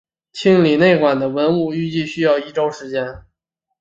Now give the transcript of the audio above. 清理内棺的文物预计需要一周时间。